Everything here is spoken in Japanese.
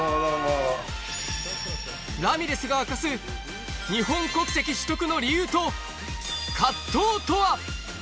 ラミレスが明かす、日本国籍取得の理由と、葛藤とは。